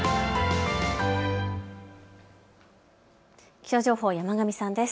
気象情報、山神さんです。